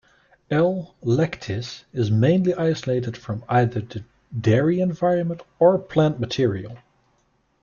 "L. lactis" is mainly isolated from either the dairy environment or plant material.